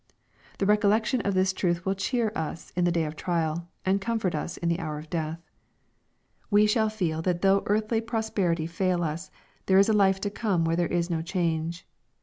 The recollection of this truth will cheer us in the day of trial, and comfort us in the hour of death. We shall feel that though earthly prosperity fail us, there is a life to come where there is no change.